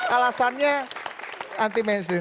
alasannya anti mainstream